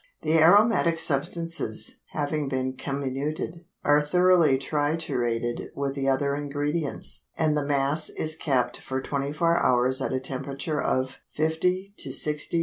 The aromatic substances, having been comminuted, are thoroughly triturated with the other ingredients, and the mass is kept for twenty four hours at a temperature of 50 to 60° C.